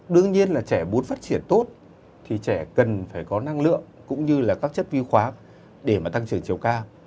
đương nhiên là trẻ muốn phát triển tốt thì trẻ cần phải có năng lượng cũng như là các chất vi khóa để mà tăng trưởng chiều cao